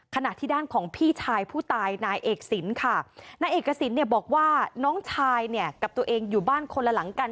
ขณะที่ด้านของพี่ชายผู้ตายนายเอกสินค่ะนายเอกสินเนี่ยบอกว่าน้องชายเนี่ยกับตัวเองอยู่บ้านคนละหลังกัน